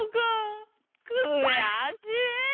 くやしい！